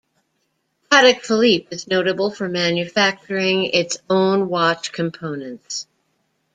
Patek Philippe is notable for manufacturing its own watch components.